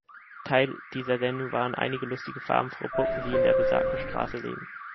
Teil dieser Sendung waren einige lustige, farbenfrohe Puppen, die in der besagten Straße leben.